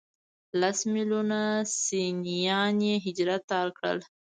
لس ملیونه سنیان یې هجرت ته اړ کړل.